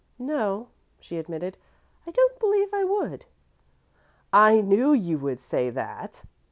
"No," she admitted; "I don't believe it would." "I knew you would say that!"